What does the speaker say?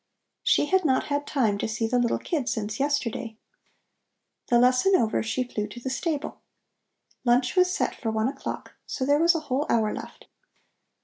She had not had time to see the little kid since yesterday. The lesson over, she flew to the stable. Lunch was set for one o'clock, so there was a whole hour left.